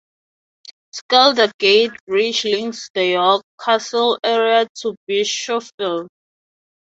Skeldergate Bridge links the York Castle area to Bishophill.